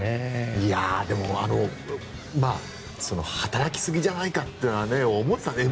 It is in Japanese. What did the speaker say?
でも働きすぎじゃないかというのは思った。